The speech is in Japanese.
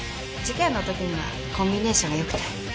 事件のときにはコンビネーションがよくて。